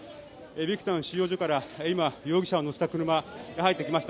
ビクタン収容所から今、容疑者を乗せた車が入ってきました。